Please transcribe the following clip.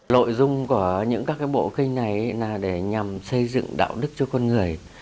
nội dung của những các bộ kinh này là để nhằm xây dựng đạo đức cho con người